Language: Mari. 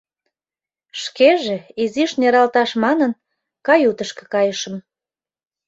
Шкеже, изиш нералташ манын, каютышко кайышым.